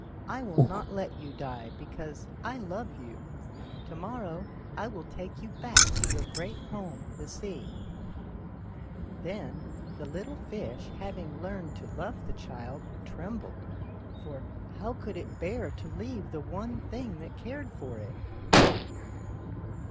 I 88 ANYHOW STORIES. [STOBY will not let you die, because I love you ; to morrow I will take you back to your great home, tlie sea." Then the little fish, having learned to love the child, trembled, for how could it bear to leave the one thing that cared for it